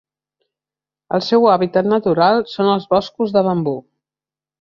El seu hàbitat natural són els boscos de bambú.